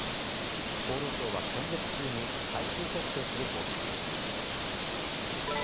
厚労省は今月中に最終決定する方針です。